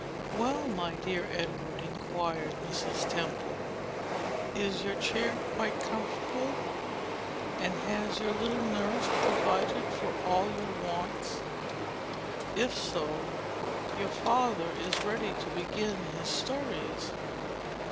"Well, my dear Edward," inquired Mrs. Temple, "is your chair quite comfortable? and has your little nurse provided for all your wants? If so, your father is ready to begin his stories."